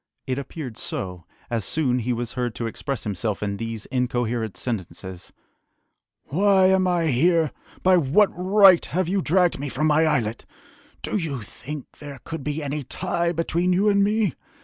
It appeared so, as soon he was heard to express himself in these incoherent sentences: "Why am I here?... By what right have you dragged me from my islet?... Do you think there could be any tie between you and me?...